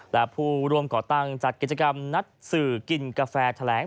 และผู้ร่วมก่อตั้งจัดกิจกรรมนัดสื่อกินกาแฟแถลง